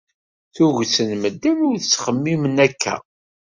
Tuget n medden i yettxemmimen akka.